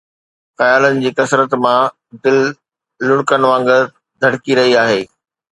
خيالن جي ڪثرت مان دل لڙڪن وانگر ڌڙڪي رهي آهي